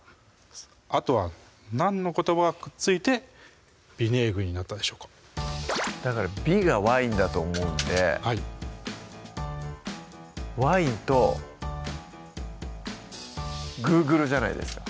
あとは何の言葉がくっついてヴィネーグルになったでしょうかだから「ヴィ」がワインだと思うんでワインとＧｏｏｇｌｅじゃないですか？